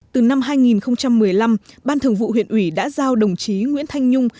từ năm hai nghìn một mươi năm ban thường vụ huyện ủy đã giao đồng chí nguyễn thanh nhung